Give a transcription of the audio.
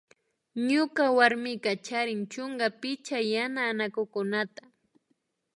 Ñuka warmika charin chunka picha yana anakukunata